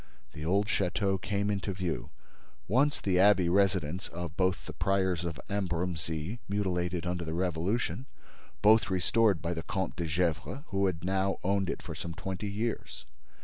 The old château came into view—once the abbey residence of the priors of Ambrumésy, mutilated under the Revolution, both restored by the Comte de Gesvres, who had now owned it for some twenty years.